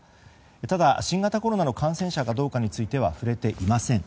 ただ、新型コロナの感染者かどうかについては触れていません。